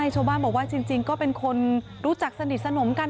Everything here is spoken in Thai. ชาวบ้านบอกว่าจริงก็เป็นคนรู้จักสนิทสนมกัน